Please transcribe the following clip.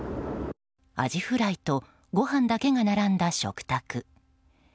アジフライとご飯だけが並んだ食卓。